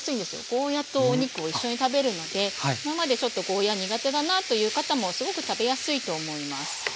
ゴーヤーとお肉を一緒に食べるので今までちょっとゴーヤー苦手だなという方もすごく食べやすいと思います。